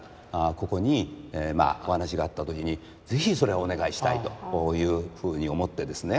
ここにお話があった時に是非それお願いしたいというふうに思ってですね